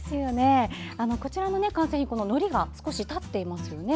こちらの完成品のりが少し立っていますよね。